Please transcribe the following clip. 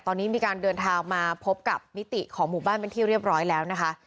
ตอนนี้มีการเดินทางมาพบกับมิติของหมู่บ้านเป็นที่เรียบร้อยแล้วนะคะ